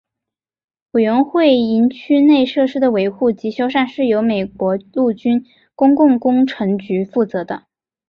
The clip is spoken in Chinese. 委员会营区内设施的维护及修缮是由美国陆军公共工程局负责的。